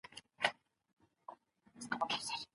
ایا تکړه پلورونکي خندان پسته پروسس کوي؟